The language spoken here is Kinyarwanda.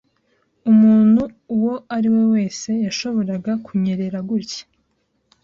Umuntu uwo ari we wese yashoboraga kunyerera gutya.